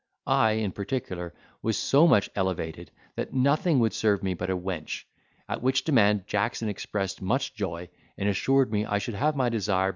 I, in particular, was so much elevated, that nothing would serve me but a wench; at which demand Jackson expressed much joy, and assured me I should have my desire.